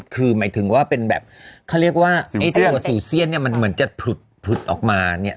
คือหมายถึงว่าเป็นแบบเขาเรียกว่าไอ้โซเซียนเนี่ยมันเหมือนจะผลุดออกมาเนี่ย